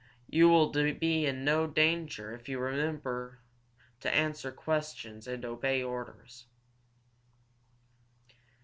You will be in no danger if you will remember to answer questions and obey orders."